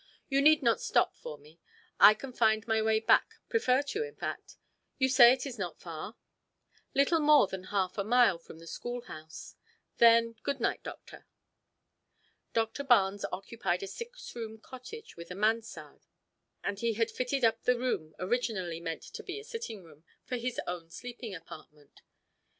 You need not stop for me. I can find my way back, prefer to, in fact. You say it is not far?" "Little more than half a mile from the school house." "Then good night, doctor." Doctor Barnes occupied a six room cottage with a mansard, and he had fitted up the room originally meant to be a sitting room, for his own sleeping apartment.